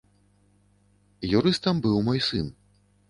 Юрыстам быў мой сын.